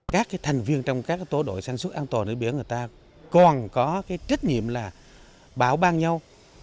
các thành viên trong các tổ đội sản xuất an toàn ở biển người ta còn có trách nhiệm báo ban nhau